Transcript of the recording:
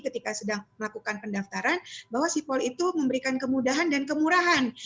ketika sedang melakukan pendaftaran bahwa sipol itu memberikan kemudahan dan kemurahan